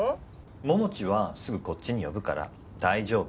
桃地はすぐこっちに呼ぶから大丈夫。